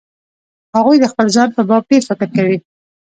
هغوی د خپل ځان په باب ډېر فکر کوي.